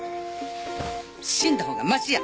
死んだほうがマシや！